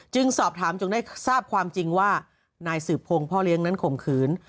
สอบถามจนได้ทราบความจริงว่านายสืบพงศ์พ่อเลี้ยงนั้นข่มขืน